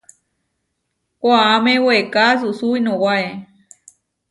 Koáme weeká asusú inuwáe.